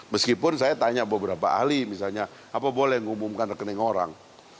meskipun saya tanya beberapa ahli misalnya apa boleh mengumumkan rekening orang